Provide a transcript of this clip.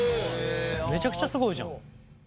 めちゃくちゃすごいじゃん。